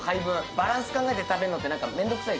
バランス考えて食べるのめんどくさい。